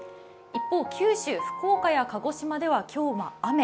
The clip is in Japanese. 一方、九州・福岡や鹿児島では今日は雨。